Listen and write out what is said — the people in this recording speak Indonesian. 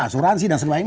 asuransi dan sebagainya